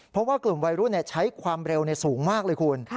เพราะว่ากลุ่มวัยรุ่นใช้ความเร็วสูงมากเลยคุณ